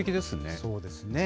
そうですね。